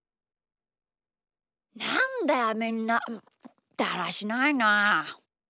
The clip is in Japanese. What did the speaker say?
なんだよみんなだらしないなあ。